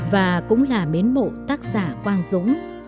và cũng là mến mộ tác giả quang dũng